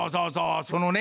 そのね